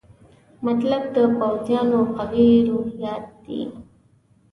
مطلب د پوځیانو قوي روحیات دي.